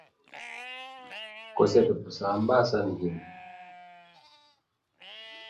Cosette n’hésita pas une minute.